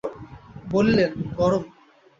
বলিলেন, গরম।